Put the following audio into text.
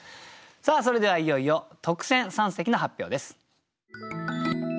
それではいよいよ特選三席の発表です。